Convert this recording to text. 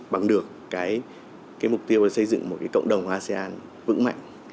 bằng được cái mục tiêu xây dựng một cái cộng đồng asean vững mạnh